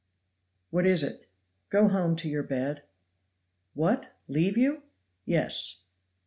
"What is it?" "Go home to your bed." "What, leave you?" "Yes."